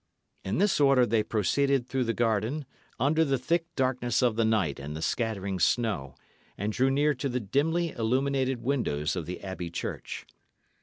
In this order they proceeded through the garden, under the thick darkness of the night and the scattering snow, and drew near to the dimly illuminated windows of the abbey church.